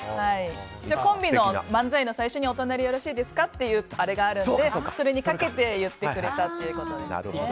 コンビの漫才の最初にお隣よろしいですかっていうあれがあるので、それにかけて言ってくれたということです。